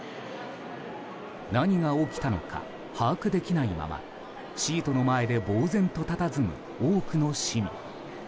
何が起きたのか把握できないままシートの前でぼうぜんとたたずむ多くの市民。